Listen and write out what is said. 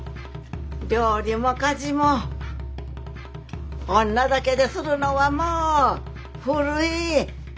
料理も家事も女だけでするのはもう古い。